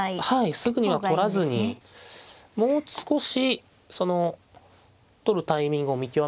すぐには取らずにもう少しその取るタイミングを見極めたいかなと。